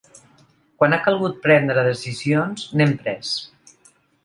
Quan ha calgut prendre decisions, n’hem pres.